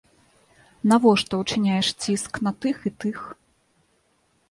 Навошта ўчыняеш ціск на тых і тых?